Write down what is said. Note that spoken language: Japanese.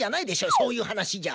そういう話じゃ。